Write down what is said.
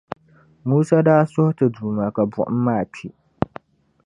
Musa daa suhi Ti Duuma ka buɣim maa kpi.